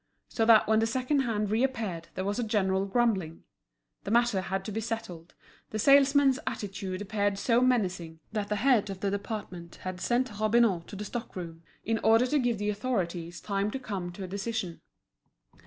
So that when the second hand reappeared there was a general grumbling. The matter had to be settled, the salesmen's attitude appeared so menacing, that the head of the department had sent Robineau to the stock room, in order to give the authorities time to come to a decision.